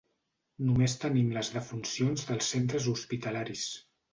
Només tenim les defuncions dels centres hospitalaris.